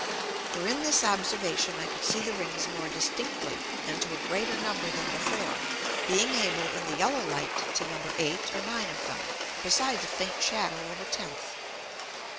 For in this Observation I could see the Rings more distinctly, and to a greater Number than before, being able in the yellow Light to number eight or nine of them, besides a faint shadow of a tenth.